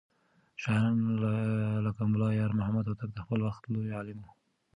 شاعران لکه ملا يارمحمد هوتک د خپل وخت لوى عالم و.